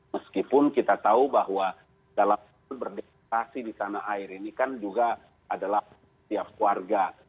meskipun kita tahu bahwa dalam berdemokrasi di tanah air ini kan juga adalah setiap keluarga